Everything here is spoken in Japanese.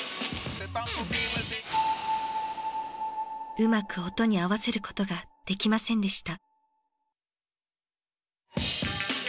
うまく音に合わせることができませんでした。